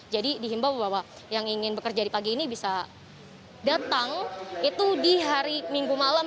dihimbau bahwa yang ingin bekerja di pagi ini bisa datang itu di hari minggu malam